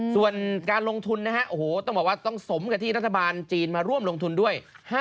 ส่วนการลงทุนนะฮะโอ้โหต้องบอกว่าต้องสมกับที่รัฐบาลจีนมาร่วมลงทุนด้วย